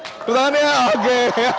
tepuk tangan ya oke